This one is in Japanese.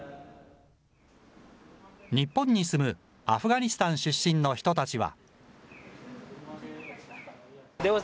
日本に住むアフガニスタン出身の人たちは。